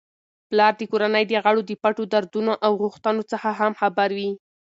پلار د کورنی د غړو د پټو دردونو او غوښتنو څخه هم خبر وي.